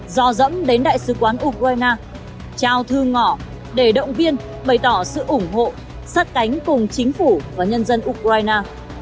do dẫn đến đại sứ quán ukraine trao thư ngỏ để động viên bày tỏ sự ủng hộ sát cánh cùng chính phủ và nhân dân ukraine